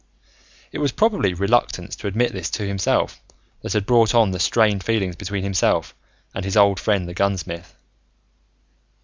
It was probably reluctance to admit this to himself that had brought on the strained feelings between himself and his old friend, the gunsmith.